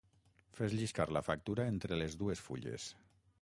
Fes lliscar la factura entre les dues fulles.